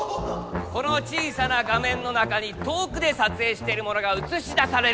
この小さな画面の中に遠くで撮影しているものが映し出される。